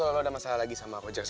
woi ada ga sih garong